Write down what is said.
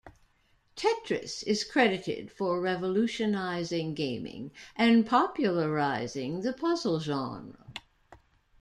"Tetris" is credited for revolutionizing gaming and popularizing the puzzle genre.